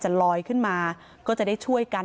ลอยขึ้นมาก็จะได้ช่วยกัน